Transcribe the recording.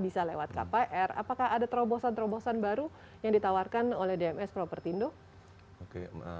bisa lewat kpr apakah ada terobosan terobosan baru yang ditawarkan oleh dms propertindo oke